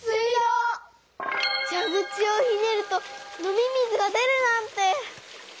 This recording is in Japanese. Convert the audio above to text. じゃぐちをひねると飲み水が出るなんて！